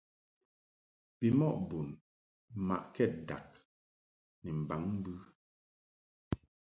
Bimɔʼ bun mmaʼkɛd dag ni mbaŋ mbɨ.